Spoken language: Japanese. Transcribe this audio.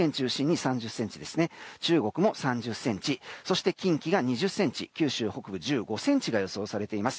中国も３０ｃｍ、近畿が２０ｃｍ九州北部１５ｃｍが予想されています。